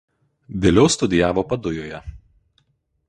Vėliau studijavo Padujoje.